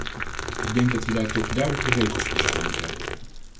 Ik denk dat we daar toch duidelijke regels voor zouden moeten hebben.